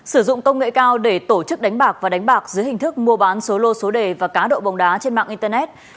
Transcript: sử dụng công nghệ cao để tổ chức đánh bạc và đánh bạc dưới hình thức mua bán số lô số đề và cá độ bóng đá trên mạng internet